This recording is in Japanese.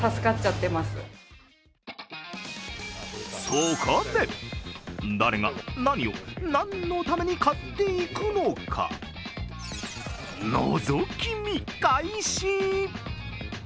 そこで、誰が、何を、何のために買っていくのか、のぞき見開始。